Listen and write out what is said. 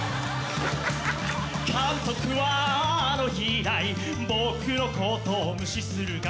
「監督はあの日以来僕のことを無視するが」